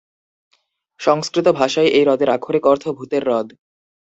সংস্কৃত ভাষায় এই হ্রদের আক্ষরিক অর্থ "ভূতের হ্রদ"।